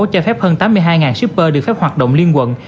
cho phép hơn tám mươi hai shipper được phép hoạt động liên quận